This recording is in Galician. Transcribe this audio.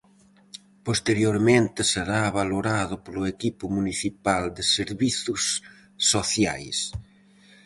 Posteriormente será valorado polo equipo municipal de servizos socias.